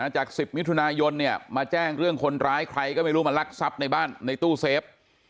จาก๑๐มิถุนายนมาแจ้งเรื่องคนร้ายใครก็ไม่รู้มาลักทรัพย์ในบ้านในตู้เซฟ